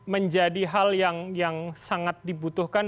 menjadi hal yang sangat dibutuhkan